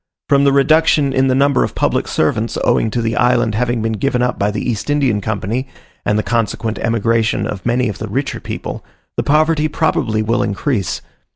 From the reduction in the number of public servants owing to the island having been given up by the East Indian Company, and the consequent emigration of many of the richer people, the poverty probably will increase.